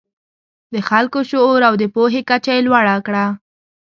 د خلکو شعور او د پوهې کچه یې لوړه کړه.